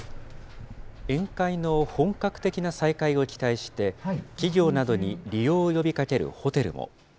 宴会の本格的な再開を期待して、企業などに利用を呼びかけるホテルも。